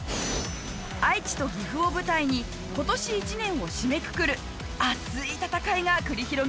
愛知と岐阜を舞台に今年１年を締めくくる熱い戦いが繰り広げられます。